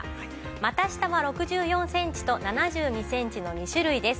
股下は６４センチと７２センチの２種類です。